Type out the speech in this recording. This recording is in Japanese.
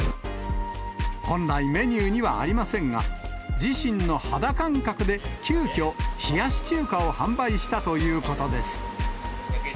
本来、メニューにはありませんが、自身の肌感覚で、急きょ、冷やし中華を販売したということです。